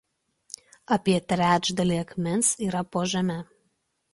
Apie trečdalį akmens yra po žeme.